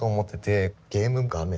ゲーム画面。